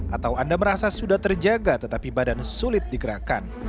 atau anda merasa sudah terjaga tetapi badan sulit digerakkan